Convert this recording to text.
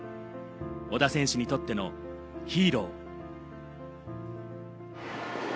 小田選手にとってのヒーロー。